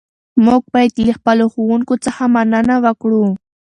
موږ باید له خپلو ښوونکو څخه مننه وکړو.